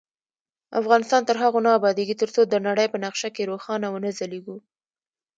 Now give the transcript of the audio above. افغانستان تر هغو نه ابادیږي، ترڅو د نړۍ په نقشه کې روښانه ونه ځلیږو.